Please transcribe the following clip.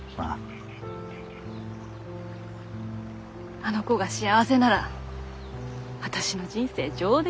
あの子が幸せなら私の人生上出来だよ。